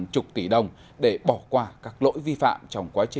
điều thiết bị